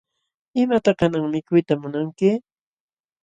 ¿Imataq kanan mikuyta munanki?